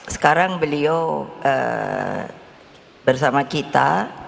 sekarang beliau bersama kita